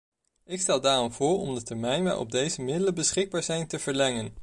Ik stel daarom voor om de termijn waarop deze middelen beschikbaar zijn te verlengen.